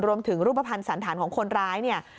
รวมถึงรูปภัณฑ์สารฐานของคนร้าย